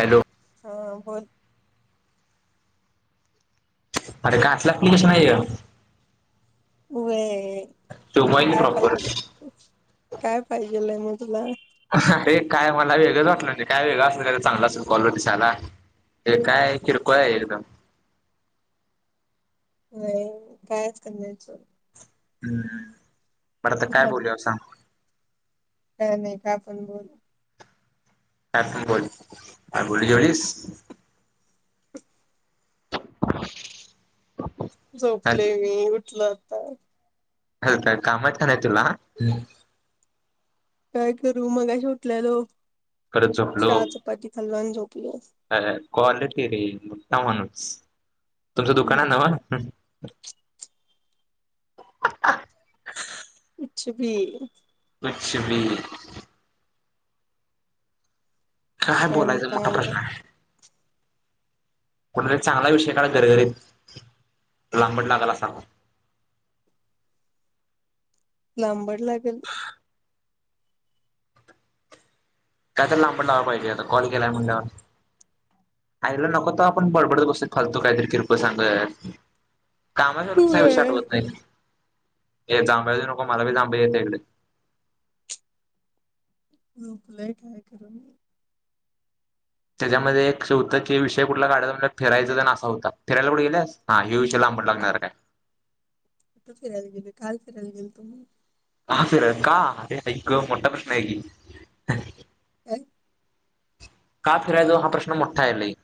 Hello. हा बोल. अरे! काटलं अप्लिकेशन ह्यो? वे काय प्रॉपर पाहिजे? काय पाहिजेलंय मग तुला? अरे! काय मला वेगळंच वाटलं. नाही काय वेगळं असेल का चांगलं असेल कॉल दिसायला. हे काय... किरकोळ आहे एकदम. नाही. कायच करण्याचचं. हम्म. बरं आता काय बोलूया सांग? काय नाही.. कायं आपण बोलू. हा तू बोल. [unintelligible] [inaudible] झोपले मी. उठलं आता. हल... कायं कामा आहेत का नाही तुला? काय करू... मगाशी उठलेलो. परत झोपलो चहा चपाती खालो आणि झोपलो. अ, क्वालिटी [unintelligible] माणूस. तुमचं दुकान हाय न्हवं? [inaudible] अछ बी.. लक्ष्मी. काय बोलायचा कंटाळा मोठा प्रश्न आलाय आहे? चांगला विषय का गरगरीत.. लांबड लागाल असा. [inaudible] लांबड लागेल. काय तर लांबड लावायला पाहिजे. आता कॉल केलाय म्हंटल्यावर. आईला नको तवा.. आपण बडबडत बसतोय फालतू काहीतरी किरकोळ सांगत. कामाच्या वक्ताला विषयं व्हय आठवत नाही. हे जांभल्या देऊ नको. मला बी जांभल्या येतत इकडे. रोकलाय काय करू? त्याच्यामध्ये एक होतं की... विषय कुठला काढायचा म्हण... फिरायचा ते असा होता. फिरायला कुठे गेल्यास... हा हे विषय लाव. म्हटल लागणार काय. कुठ फिरायला गेलेलो... काल फिरायला गेलतो. तुमही- का? [unintelligible] आई गं मोठा प्रश्न आहे की. अ.. का... फिरायला जाऊ हा प्रश्न मोठा आहे की लयं...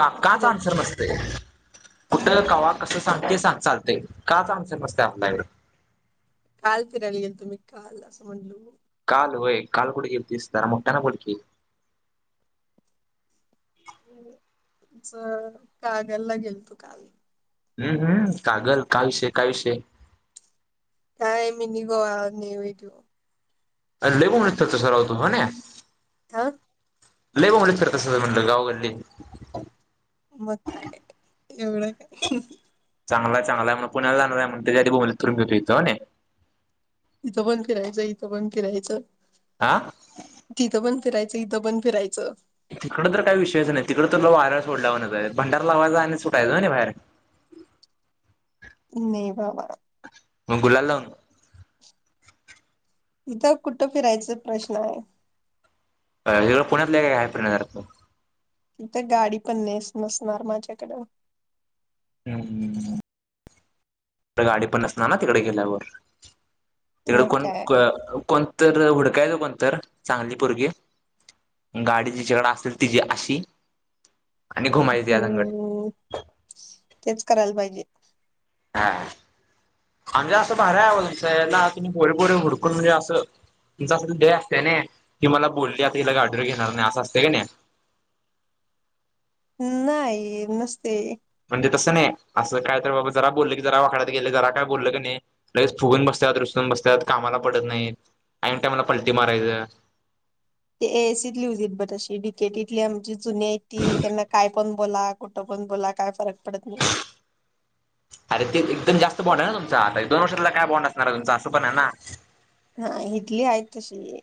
का काच आन्सर नसतेय. कुठ.. कवा.. कसं.. ते सांग चालतंय. काचं आनसर कस काय म्हणता येईल. काल फिरायला गेलतो मी काल असं म्हंटलो. कालं वी... काल कुठं गेलतीस.. जरा मोठयानं बोल की... चं कागलला गेलतो काल. हम्म... हम्.. कागल काय विषय.. काय विषय.. काय मिनि गोवा [unintelligible] अरे [unintelligible] [unintelligible] [unintelligible] ह. लय बोंबलत फिरत असतेस तू गाव गल्ली.... मग काय एवढं काय.. चांगला चांगला आहे म्हण... पुण्याला जाणार आहे म्हण... त्याच्या आधी घे बोंबलत फिरून इथं. इथं पण फिरायचं... इथं पण फिरायचं.. हा तिथं पण फिरायचं. इथं पण फिरायचं तिकडं तर काय विषयच नाही तिकडं तर वाऱ्याला सोड लावूनच आहे भंडारा लावायचा आणि सुटायच हानी बाहेर नाही बाबा मग गुलाल लावून इथं कुठं फिरायच प्रश्न आहे हिकडं पुण्यात काय काय हाय फिरण्यासारखं. तिथं गाडी पण नस नसणार माझ्याकडं ह ह ह. गाडी पण नसणार ना तिकडे गेल्यावर तिकडे मग कोण काय क कोणतं तिथ हुडकायच कोन तर चांगली पोरगी गाडी जिच्याकडे असेल तिची अशी आणि घुमायची त्या संगट हम्म तेच करायला पाहिजे. हा. म्हणजे असं बाबा तुमच एकट असून पोरीपोरी हडकून म्हणजे असं तुमच अस लई असतय नई की मला बोलली आता तिला गाडीवर घेणार नाही असं असतय की नाही. [unintelligible] नाही नसते. म्हणजे तसं नाही असं काय तर बाबा जरा बोललं की जरा वाकड्यात गेले जरा काय बोललं की नाही लगेच फुगून बस त्यात रुसून बसत्यात कामाला पडत नाहीत आईन टायमाला पलटी मारायचं. ते ए एसी तली हुतीत बर तशी डि के टी तली आमची जुन्यातली ती त्यांना काय पण बोला कुठं पण बोला काय फरक पडत नाही. अरे ते एकदम जास्त बॉन्ड आहे ना तुमचा आता दोन वर्षातला काय बॉन्ड असणार तुमचा असं पण आहे ना. नाही ईथली आहेत तशी.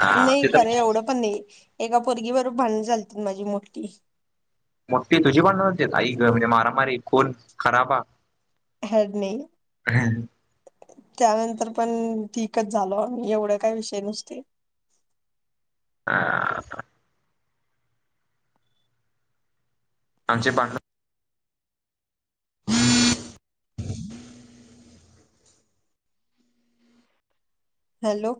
हा नाही ते तर खरं एवढं पण नाही एका पोरगी बरोबर भांडण झालतीत माझी मोठी मोठी तुझी भांडणं झालतीत आई ग म्हणजे मारामारी खून खराबा हॅड नाही. त्यानंतर पण ठिकच झाल एवढे काय विषय नसतोय. [unintelligible] [unintelligible] आमचे भांडणं हॅलो.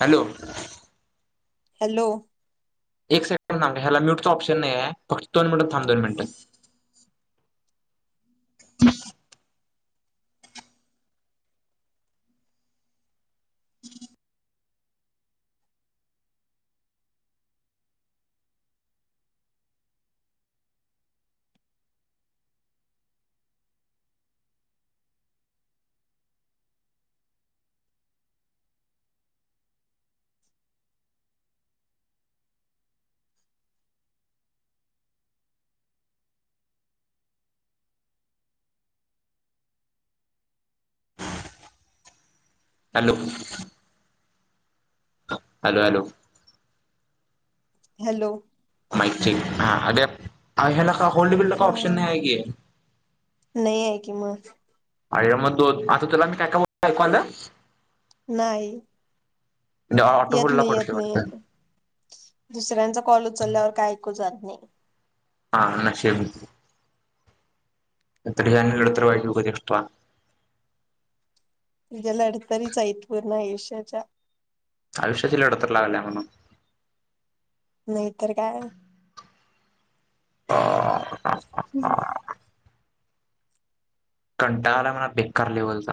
हॅलो. हॅलो. एक सेकंड थांब ह्याला म्यूटचा ऑप्शन नाही आहे फक्त दोन मिनट थांब दोन मिनिटं. Hello. Hello hello. Hello. Mic check हा आल्या. अ ह्याला का होल्ड बिल्ड का हा ऑप्शन नाही आहे की. नाही आहे की मग आयला मग तो आता त्याला आण काय काय ऐकू आल. नाही. ऑटो येत होल्डला नाही येत पडतोय वाटतं नाही दुसऱ्यांचा कॉल उचलल्यावर काय ऐकू जात नाही. हा अशी हाय मग तुझ आता काय अणि ही लडतर आली म्हणायची एक्श्ट्रा तुझ्या लडतरीच आहेत पूर्ण आयुष्याच्या. आयुष्याची लडतर लागल्या म्हणून नाहीतरी काय. [unintelligible] हम्म. कंटाळाला मला बेकारले बोलचा.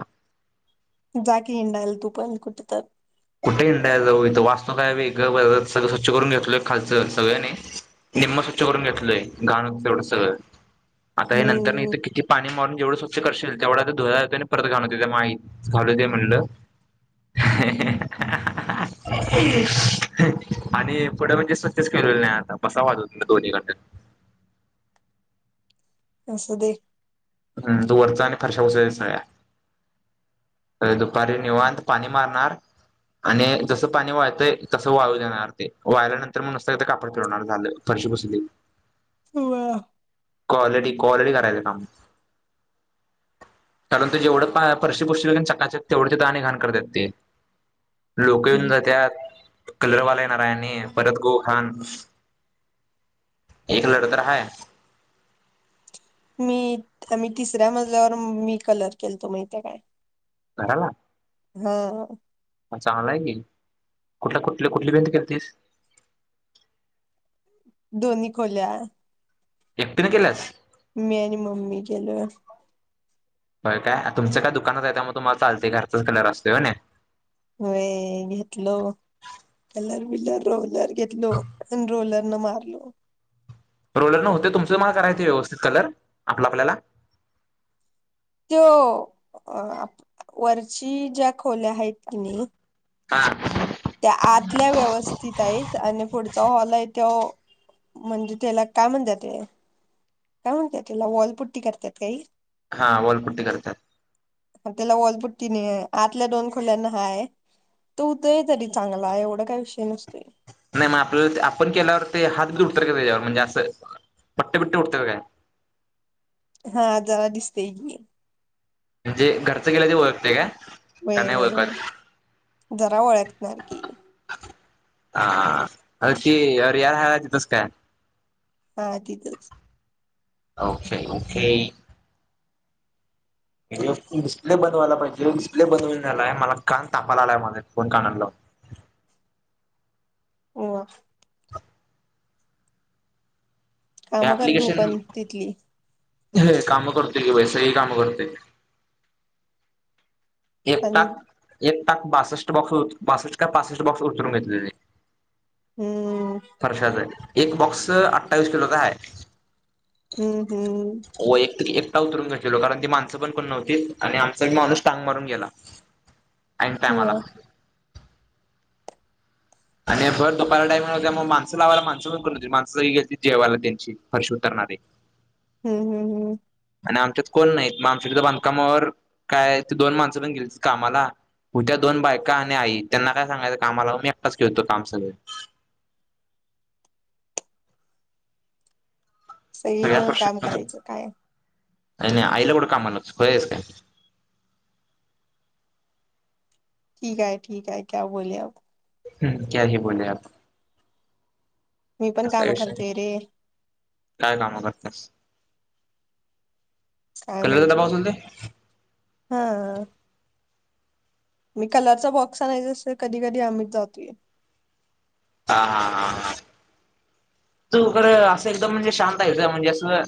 जाकी हिंडायल तू पण कुठ तर कुठे इंडा जाऊ इथं वाचतू काय वेग सगळं स्वच्छ करून घेतोय खालंच सगंळयाने निम्म स्वच्छ करून घेतलंय गाण तेवढं सगळं आता हे नंतर हम्म इथं किती पाणी मारून जेवढं स्वच्छ करशील तेवढा आ धु आणि परत घाल माही घाल ते म्हणलं [unintelligible] आणि पुढं म्हणजे स्वचछच केेळलेले नाही आता कसा वाजव दोन्ही कंडे असस दे हम तू वरचा आणि फारशा उसाय सगळ्या अरे दुपारी निवत पाणी मारणार आणि जसं पाणी वाळतंय तसं वाळू देणार ते वाळल्यानंतर म नसत कापड फिरणार झालं अशुभसथिती ह क्वालिटी क्वालिटी करायच काम कारण तू जेवढं परसे पुोरशील का तेवढ घ करत ते लोक येऊन जात कलरवाल्या न भरत गोान एक लढत ह मी आमही तिसऱ्या मजल्यावर मी कलर केलतो माहिित काय हा हा हा चांगला आहे की कुठला कुठल्या कुठली बेंती के तस [unintelligible] दोन्ही खोल्या एकटीने केल्याच मी आणि मम्मी केलो हो काय तुमचं काय दुकानात आहे त्या म तुम्हाला चालतेय घरचाच कलर असतोय हो ना वे घेतल कलर बलर रोलर घेतलो आणि रोलर न मारलो रोलर न होते तुमचं मला करायचे व्यवस्थित कलर आपला आपल्याला तो वरची ज्या खोल्या आहेत कि नाही हा त्या आतल्या व्यवस्थित आहेत आणि पुढचा हॉल आहे त म्हणजे त्याला काय म्हणतात ते काय म्हणतात त्याला वॉलपट्टी करतात काही हा वलपुट्टी करतात त्याला ओलपुट्टी नाही आहे आतल्या दोन खोल्यांना हाय तो उदय तरी चांगला आहे एवढा काय विषय नसतो नाही मग आपल्याला आपण केल्यावर ते हात बी उत का त्याच्यावर म्हणजे असं पट विट उत काय हा जरा दिसते ग म्हणजे घरचं गेलं ते ओळखते का वेळ नाही वेळ ओळखत जरा ओळखणार की हा अ कीर यार हयची तुस काय हा तथच ओके ओके म्ह डिस्प्ले बनवायला पाहिजे डिस्प्ले बनवून झालाय मला कान तापा ला आलाय माझ्या फोन कानाला [unintelligible] होवा हा हे मग कर तू ऍप्लिकेशन पण तिथली हे काम करते कि वैस ह काम करते एकता आणि एक बासष्ट बॉक्स बासष्ट का पासष्ट बॉक्स उतरून घेतले ते हम्म फर्शच एक बॉक्स अठ्ठावीस किलोचा आहे हम्म हम्म वैयक्तिक एकटा उतरून घलो कारण ती माणसं पण कोण नव्हतीत आणि आमचा माणूस टांग मारून गेला आईन हो टायमाला. आणि भर दुपारला टाईम हो. त्या मग माणसं लावायला माणसं पण करून होती माणस गेलीती जेवायला त्यांची फर्श उतरणार. [unintelligible] हम्म हम् हम् आणि आमच्यात कोण नाहीत. मग आमच्या बांधकामावर काय, ते दोन माणसं पण गेलती कामाला. उद्या दोन बायका आणि आई, त्यांना काय सांगायचं कामाला मी एकटाच केलतो काम सगळ. [inaudible] सगळे मिळून काम करायचं काय, ये नाही आईला कुठं कामाला लावतीस खुळी आहेस काय. ठीक आहे, ठीक आहे क्या बोले आप. [unintelligible] कसा मी पण कामं विषय आहे, करते रे काय काम करत्यास. काय म्हणजे [unintelligible] हा.. मी कलरचा बॉक्स आणायचा असतोय, कधी कधी आम्हीच जातोय. हा हा हा हा. तू इकडं, असं एकदम म्हणजे शांत आहेस म्हणजे असं,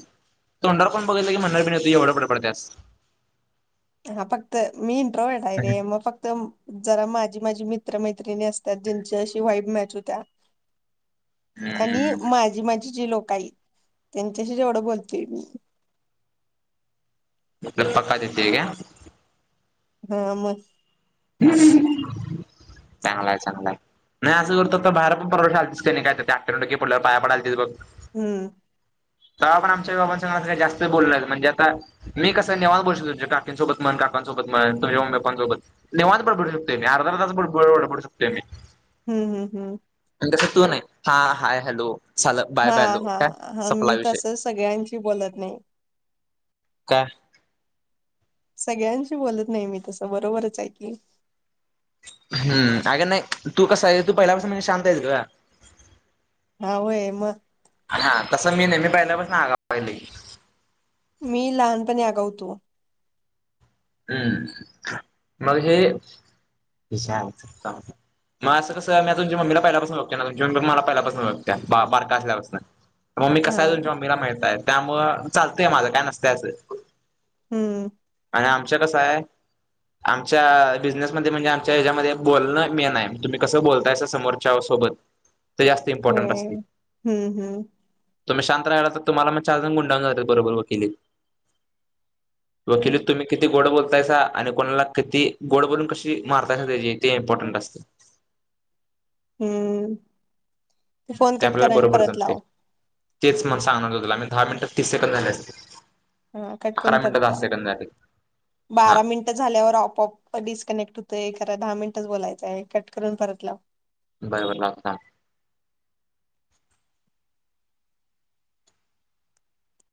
तोंडावर कोण बघितला की, म्हणार बी नाही तू एवढं बडबडत्यास. हा फक्त मीट्रडा आहे, रे मग फक्त जरा माझी माझी मित्र मैत्रिणी असत्यात, ज्यांची अशी व्हाईब मॅच होत्या. आणि हम्म माझी माझी जे लोक आहेत, त्यांच्याशी जेवढं बोलतोय मी. [unintelligible] हा मग चांगलाय चांगलाय. [unintelligible] हम्म. तवा पण आमच्या आई बाबां संग जास्त बोलन म्हणजे आता मी कसं निवांत बसलोय काकीसोबत म्हण. काकांसोबत म्हण [unintelligible] निवांत बडबडू शकतोय, अर्धा तास बडबडू शकतोय मी. हम्म हम्म हम्म तसा तो नाही, हा हाय हॅलो. साल बाय हा बाय हॅलो हा काय हा सपला मी विषय तस सगळ्यांशी बोलत नाही. का, सगळ्यांशी बोलत नाही. मी तसं बरोबरच हाय की, हम्म.. अगं नाही तू कस आहे, तू पहिल्यापासून शांत आहेस गं. हा होय मग. आ.. तसं मी नेहमी पहिल्यापासून आगाव आहे. लई मी लहानपणी आगाव होत हम मग हे [unintelligible] मग असं कसं मी तुमच्या मम्मीला पहिल्यापासून बघतोयना तुमची मम्मी मला पहिल्यापासून ओळख त्या बारक असल्यापासन. मग मी हा कसा आहे. तुमच्या मम्मी ला माहिताय त्यामुळं चालतंय माझं काय नसतय असं. हम्म. हे कसाय. आमच्या बिझनेसमध्ये म्हणजे, आमच्या हेच्यामध्ये बोलणं मेन आहे. तुम्ही कसं बोलतायस समोरच्या सोबत ते जास्त होय. इम्पॉर्टंट असते. हम्म हम्म तुम्ही शांत राहियला. तर तुम्हाला मग चार जण गुंडाळून जात्यात बरोबर वकिली. वकिली तुम्ही, किती गोड बोलतायसा, आणि कोणाला किती गोड बोलून कशी मारतायसा तिची, ते इम्पॉर्टंट असते. हम्म.. ते फोन कट आपल्याला करा, आणि बरोबर परत जमते. लाव. तेच मग सांगणार होतो, तुला मी दहा मिनटात तीस सेकंद झाली असतील. हा कट करून अकरा मिनिटं परत दहा लाव. सेकंद झाले. हा बारा मिनिट झाल्यावर ऑप, ऑप डिस्कनेक्ट होत एक खरा दहा मिनिटच बोलायचं आहे कट करून परत लाव बरोबर लावत थांब